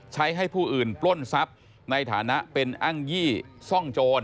ให้ผู้อื่นปล้นทรัพย์ในฐานะเป็นอ้างยี่ซ่องโจร